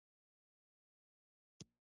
په امریکا کې هم همداسې ده.